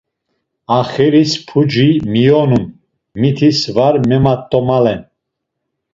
Axiris puci miyonun, mitis var memat̆omalen.